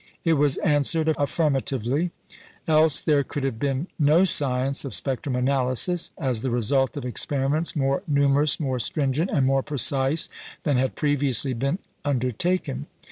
It was answered affirmatively else there could have been no science of spectrum analysis as the result of experiments more numerous, more stringent, and more precise than had previously been undertaken.